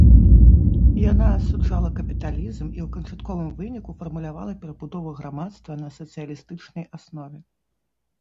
Яна асуджала капіталізм і ў канчатковым выніку фармулявала перабудову грамадства на сацыялістычнай аснове.